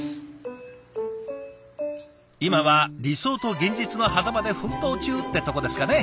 今は理想と現実のはざまで奮闘中ってとこですかね。